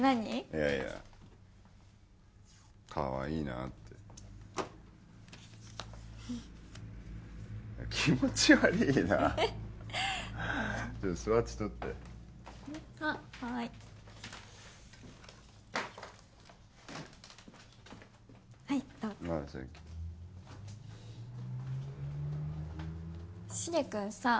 いやいやかわいいなって気持ち悪いなちょっとスワッチ取ってあっはーいはいどうぞああサンキューしげ君さ